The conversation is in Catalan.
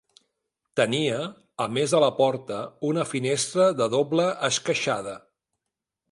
Tenia, a més de la porta, una finestra de doble esqueixada.